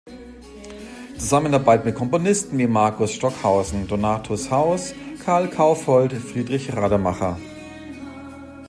Zusammenarbeit mit Komponisten wie Markus Stockhausen, Donatus Haus, Karl Kaufhold, Friedrich Radermacher.